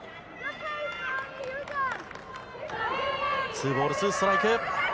ツーボールツーストライク。